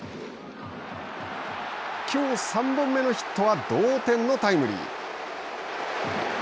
きょう３本目のヒットは同点のタイムリー。